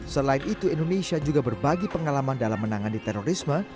selain itu indonesia juga berbagi pengalaman dalam menangani terorisme